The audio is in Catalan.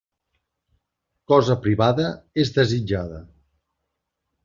Cosa privada és desitjada.